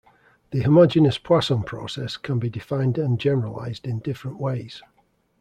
The homogeneous Poisson process can be defined and generalized in different ways.